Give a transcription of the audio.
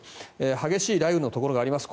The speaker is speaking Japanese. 激しい雷雨のところがあります。